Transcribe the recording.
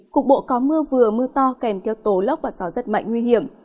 cục bộ có mưa vừa mưa to kèm theo tố lốc và gió rất mạnh nguy hiểm